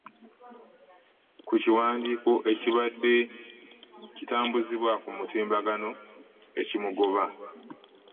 Ku kiwandiiko ekibadde kitambuzibwa ku mitimbagano ekimugoba